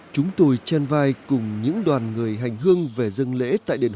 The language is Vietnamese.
chúng tôi chen vai cùng những đoàn người hành hương về dân lễ